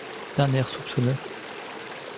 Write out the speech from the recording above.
D’un air soupçonneux.